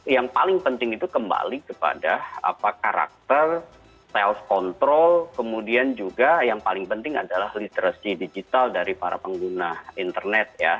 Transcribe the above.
yang paling penting itu kembali kepada karakter self control kemudian juga yang paling penting adalah literacy digital dari para pengguna internet ya